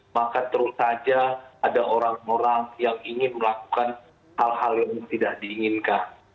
maka terus saja ada orang orang yang ingin melakukan hal hal yang tidak diinginkan